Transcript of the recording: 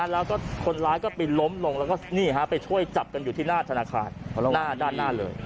แล้วก็คนร้ายก็ไปล้มลงแล้วก็ไปช่วยจับกันอยู่ที่หน้าธนาคารด้านหน้าเลย